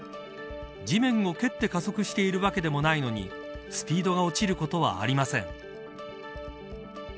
地面を蹴って加速しているわけでもないのにスピードが落ちることはありません。